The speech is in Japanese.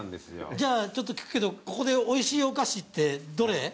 じゃあちょっと聞くけどここでおいしいお菓子ってどれ？